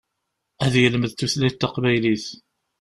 Ad yelmed tutlayt taqbaylit.